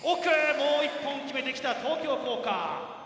もう１本決めてきた東京工科！